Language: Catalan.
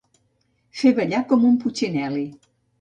Fer ballar com un putxinel·li.